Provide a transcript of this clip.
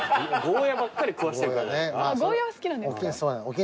ゴーヤは好きなんですか？